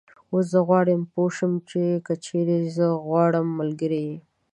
اوس زه غواړم پوی شم چې ته که چېرې زما غوره ملګری یې